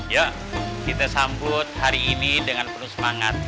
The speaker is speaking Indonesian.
ya kita sambut hari ini dengan penuh semangat